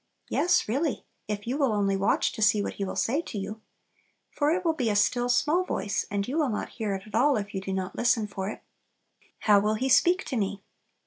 Yes, really, if you will only watch to see what He will say to you. For it will be "a still, small voice," and you will not hear it at all if you do not listen for it. "How will He speak to me?"